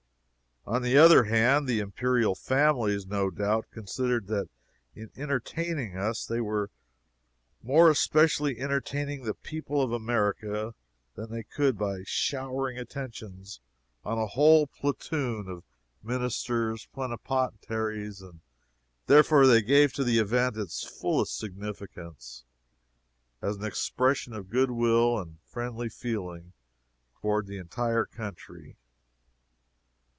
On the other hand, the Imperial families, no doubt, considered that in entertaining us they were more especially entertaining the people of America than they could by showering attentions on a whole platoon of ministers plenipotentiary and therefore they gave to the event its fullest significance, as an expression of good will and friendly feeling toward the entire country.